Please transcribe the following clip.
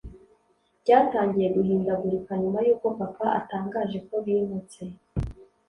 byatangiye guhindagurika nyuma yuko papa atangaje ko bimutse